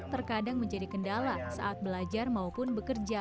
terkadang menjadi kendala saat belajar maupun bekerja